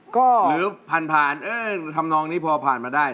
ก็หรือผ่านทำนองนี้พอผ่านมาได้